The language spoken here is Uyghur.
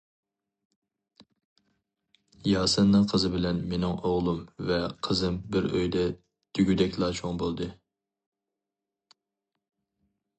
ياسىننىڭ قىزى بىلەن مېنىڭ ئوغلۇم ۋە قىزىم بىر ئۆيدە دېگۈدەكلا چوڭ بولدى.